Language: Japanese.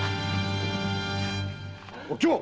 お京！